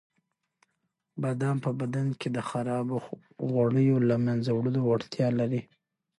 بادام په بدن کې د خرابو غوړیو د له منځه وړلو وړتیا لري.